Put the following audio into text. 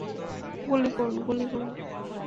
গুলি করুন, গুলি করুন!